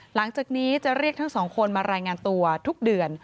หลังจากนี้จะเรียกทั้งสองคนมารายงานตัวทุกเดือน